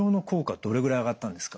どれぐらい上がったんですか？